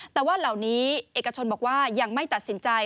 แต่ว่าเหล่านี้เอกชนบอกว่ายังไม่ตัดสินใจ